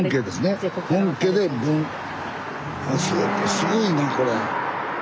すごいねこれ。